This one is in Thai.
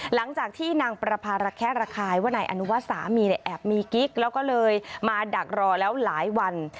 หลังจากที่นางประพาระแคะระคายว่านายอนุวัฒน์สามีเนี่ยแอบมีกิ๊กแล้วก็เลยมาดักรอแล้วหลายวัน